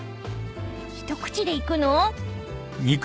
［一口でいくの？］